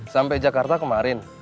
sampai jakarta kemarin